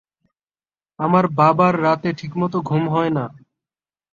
আমার বাবার রাতে ঠিকমত ঘুম হয় না।